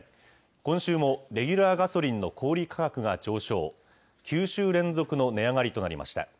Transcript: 今週もレギュラーガソリンの小売り価格が上昇、９週連続の値上がりとなりました。